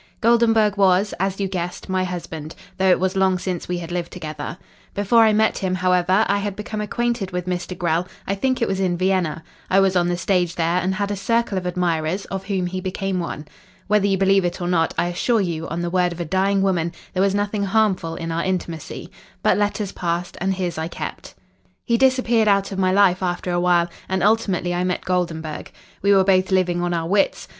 "Goldenburg was, as you guessed, my husband, though it was long since we had lived together. Before I met him, however, I had become acquainted with Mr. Grell I think it was in Vienna. I was on the stage there, and had a circle of admirers, of whom he became one. Whether you believe it or not, I assure you, on the word of a dying woman, there was nothing harmful in our intimacy. But letters passed, and his I kept. "He disappeared out of my life after a while, and ultimately I met Goldenburg. We were both living on our wits.